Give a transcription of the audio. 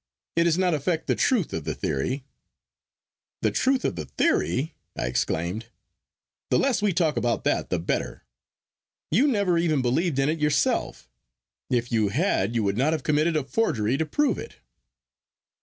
It does not affect the truth of the theory." "The truth of the theory!" I exclaimed; "the less we talk about that the better. You never even believed in it yourself. If you had, you would not have committed a forgery to prove it."